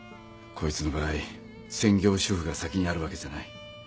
こいつの場合専業主夫が先にあるわけじゃない。